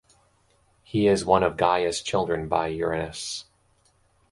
He is one of Gaia's children by Uranus.